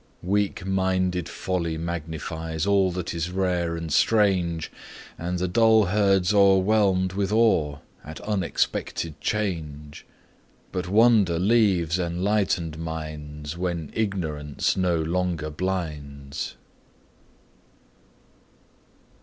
Weak minded folly magnifies All that is rare and strange, And the dull herd's o'erwhelmed with awe At unexpected change. But wonder leaves enlightened minds, When ignorance no longer blinds.